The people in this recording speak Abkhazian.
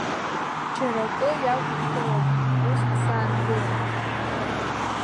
Џьара акы иақәаҳкыроуп, ас ҳзаангылом…